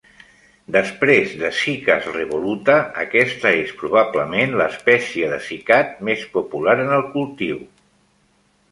Després de "Cycas revoluta", aquesta és probablement l'espècie de cycad més popular en el cultiu.